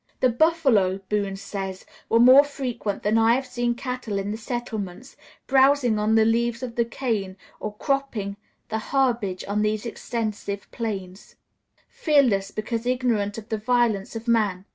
"The buffalo," Boone says, "were more frequent than I have seen cattle in the settlements, browsing on the leaves of the cane, or cropping the herbage on these extensive plains, fearless because ignorant of the violence of man.